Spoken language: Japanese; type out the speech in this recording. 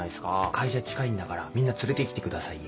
会社近いんだからみんな連れて来てくださいよ。